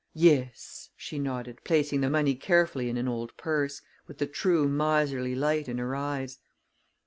"Yes," she nodded, placing the money carefully in an old purse, with the true miserly light in her eyes.